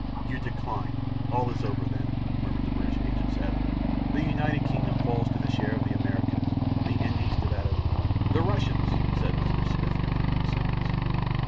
"You decline! All is over then!" murmured the British agent sadly. "The United Kingdom falls to the share of the Americans; the Indies to that of " "The Russians," said Mr. Smith, completing the sentence.